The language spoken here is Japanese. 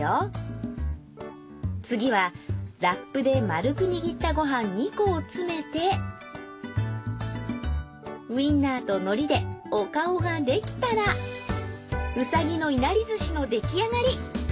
次はラップで丸く握ったご飯２個を詰めてウインナーと海苔でお顔ができたらうさぎのいなり寿司の出来上がり。